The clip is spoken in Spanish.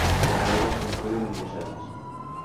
Completa sus estudios en Bruselas.